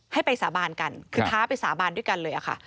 ให้ไปสาบานกันคือท้าไปสาบานด้วยกันเลยค่ะ